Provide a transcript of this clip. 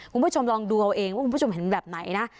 คุณผู้ชมลองดูเอาเองว่าคุณผู้ชมเห็นแบบไหนนะ